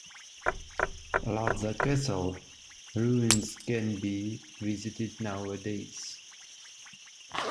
Ludza Castle ruins can be visited nowadays.